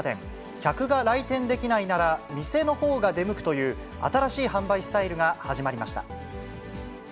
客が来店できないなら、店のほうが出向くという、新しい販売スタイルが始まりました。